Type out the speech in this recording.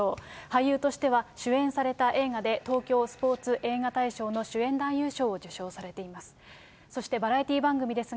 俳優としては主演された映画で、東京スポーツ映画大賞の主演男優賞を受賞されています。